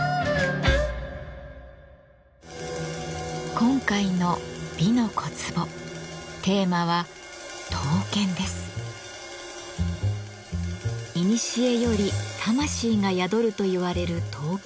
今回の「美の小壺」テーマはいにしえより魂が宿るといわれる刀剣。